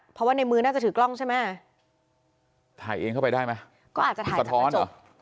เพราะว่าในมือน่าจะถือกล้องใช่ไหมถ่ายเองเข้าไปได้ไหมก็อาจจะถ่ายสะท้อนเหรอ